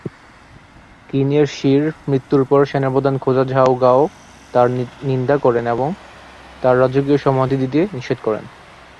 কিন এর শির মৃত্যুর পর সেনাপ্রধান খোজা ঝাও গাও তার নিন্দা করেন এবং তার রাজকীয় সমাধি দিতে নিষেধ করেন।